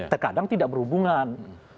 terkadang tidak berhubungan